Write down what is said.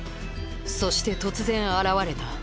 そして突然現れた母の兄